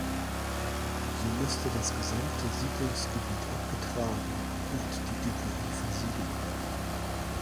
So musste das gesamte Siedlungsgebiet abgetragen und die Deponie versiegelt werden.